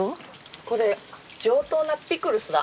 これ上等なピクルスだ。